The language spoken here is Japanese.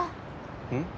うん？